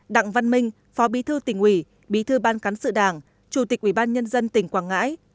đặng văn minh phó bí thư tỉnh ủy bí thư ban cán sự đảng chủ tịch ủy ban nhân dân tỉnh quảng ngãi